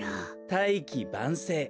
「大器晩成」。